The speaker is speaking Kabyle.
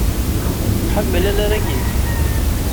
Ḥemmel anarag-im!